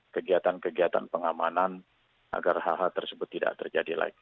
kegiatan kegiatan pengamanan agar hal hal tersebut tidak terjadi lagi